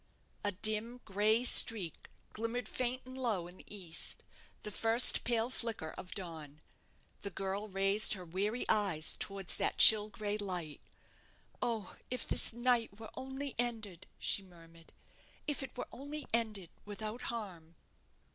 A dim, gray streak glimmered faint and low in the east the first pale flicker of dawn. The girl raised her weary eyes towards that chill gray light. "Oh! if this night were only ended!" she murmured: "if it were only ended without harm!"